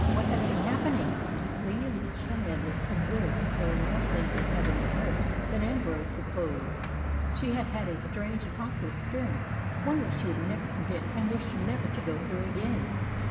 What has been happen ing?" Lady Alicia Medley observed that there were more things in heaven and earth than Ambrose supposed. She had had a strange and awful experience, one which she would never forget, and wished never to go through again.